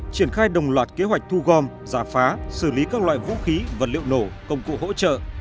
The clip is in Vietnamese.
triển khai đồng loạt kế hoạch thu gom giả phá xử lý các loại vũ khí vật liệu nổ công cụ hỗ trợ